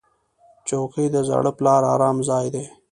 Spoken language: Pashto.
چوکۍ د زاړه پلار ارام ځای دی.